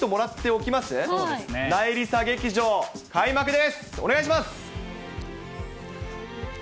お願いします。